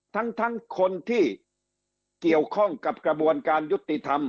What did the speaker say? ทั้งคนที่เกี่ยวข้องกับกระบวนการยุติธรรม